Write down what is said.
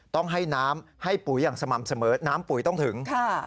ต้องให้น้ำให้ปุ๋ยอย่างสม่ำเสมอน้ำปุ๋ยต้องถึง